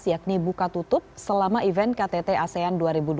yakni buka tutup selama event ktt asean dua ribu dua puluh